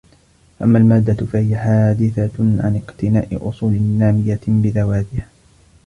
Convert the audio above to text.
فَأَمَّا الْمَادَّةُ فَهِيَ حَادِثَةٌ عَنْ اقْتِنَاءِ أُصُولٍ نَامِيَةٍ بِذَوَاتِهَا